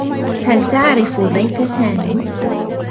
هل تعرف بيت سامي؟